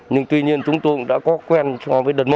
nhưng tuy nhiên chúng tôi cũng đã có quen so với đợt một